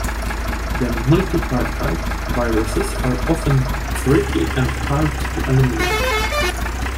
The multipartite viruses are often tricky and hard to eliminate.